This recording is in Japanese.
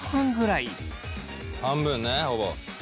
半分ねほぼ。